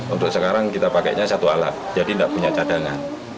untuk sekarang kita pakainya satu alat jadi tidak punya cadangan